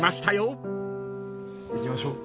いきましょう。